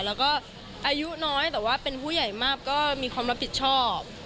แล้วก็อายุน้อยแต่ว่าเป็นผู้ใหญ่มากก็มีความรับผิดชอบ